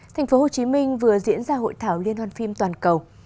thành phố hồ chí minh vừa diễn ra hội thảo liên hoàn phim toàn cầu